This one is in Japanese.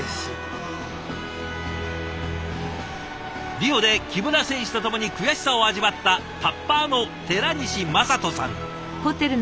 リオで木村選手と共に悔しさを味わったタッパーの寺西真人さん。